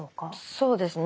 そうですね。